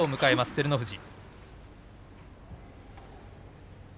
照ノ富士。